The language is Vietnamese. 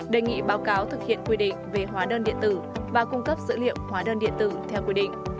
đề nghị báo cáo thực hiện quy định về hóa đơn điện tử và cung cấp dữ liệu hóa đơn điện tử theo quy định